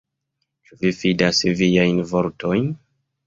Ĉu vi fidas viajn fortojn?